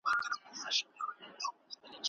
تېر ماښام هغه د اسلامي شريعت په اړه خبري وکړي.